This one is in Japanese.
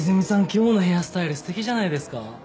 今日のヘアスタイルすてきじゃないですか。